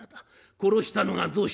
殺したのがどうした？」。